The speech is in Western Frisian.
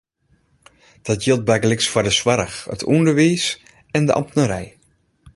Dat jildt bygelyks foar de soarch, it ûnderwiis, en de amtnerij.